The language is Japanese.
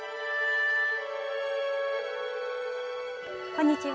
こんにちは